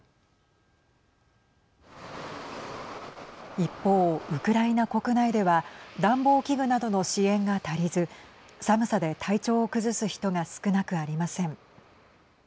一方、ウクライナ国内では暖房器具などの支援が足りず寒さで体調を崩す人が少なくありません。